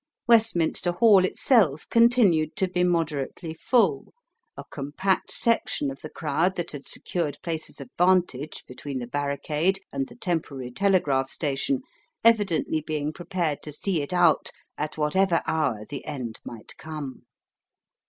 Westminster Hall itself continued to be moderately full, a compact section of the crowd that had secured places of vantage between the barricade and the temporary telegraph station evidently being prepared to see it out at whatever hour the end might come.